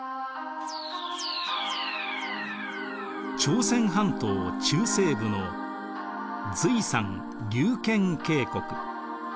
朝鮮半島中西部の瑞山・龍賢渓谷。